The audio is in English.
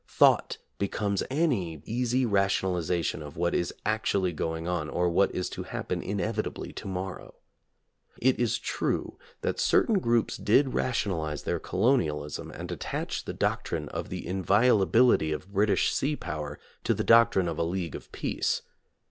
Thought becomes any easy rationaliza tion of what is actually going on or what is to happen inevitably to morrow. It is true that cer tain groups did rationalize their colonialism and attach the doctrine of the inviolability of British sea power to the doctrine of a League of Peace.